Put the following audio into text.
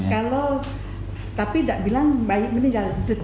kalau tapi tidak bilang baik meninggal